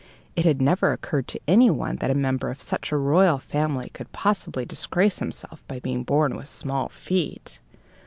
It had never occurred to anyone that a member of such a royal family could possibly disgrace himself by being born with small feet.